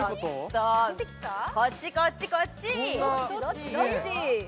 こっち、こっち、こっち！